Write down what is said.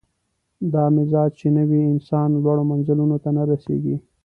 دا مزاج چې نه وي، انسان لوړو منزلونو ته نه رسېږي.